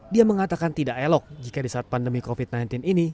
dia mengatakan tidak elok jika di saat pandemi covid sembilan belas ini